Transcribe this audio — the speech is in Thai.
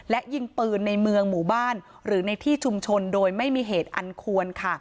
และยิงปืนในเมืองหมู่บ้านหรือในที่ชุมชนโดยไม่มีเหตุอันควร